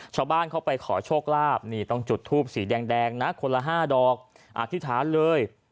ชาวบ้านเขาไปขอโชคลาภนี่ต้องจุดทูปสีแดงนะคนละ๕ดอกอธิษฐานเลย